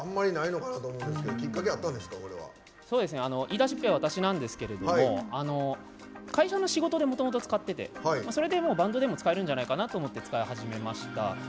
言いだしっぺは私なんですけれども会社の仕事でもともと使っててそれでバンドでも使えるんじゃないかなと思って使い始めました。